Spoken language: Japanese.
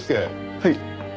はい。